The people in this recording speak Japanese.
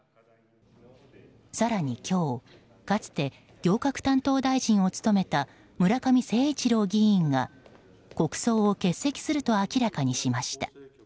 更に今日かつて行革担当大臣を務めた村上誠一郎議員が国葬を欠席すると明らかにしました。